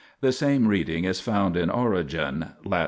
The same reading is found in Origen (Lat.